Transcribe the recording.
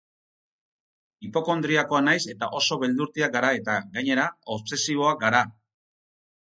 Hipokondriakoa naiz eta oso beldurtiak gara eta, gainera, obsesiboak gara.